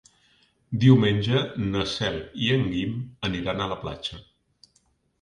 Diumenge na Cel i en Guim aniran a la platja.